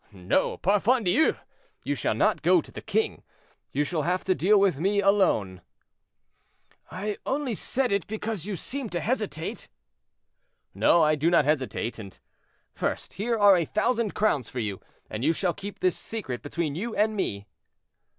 "No, parfandious, you shall not go to the king: you shall have to deal with me, alone." "I only said it because you seemed to hesitate." "No, I do not hesitate; and, first, here are a thousand crowns for you, and you shall keep this secret between you and me."